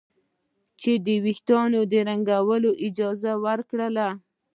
چې د ویښتو د رنګولو اجازه ورکړي.